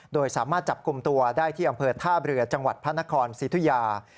โดยสามารถจับกลุ่มตัวได้ที่อำเภอท่าเรือจังหวัดพระนครสิทุยา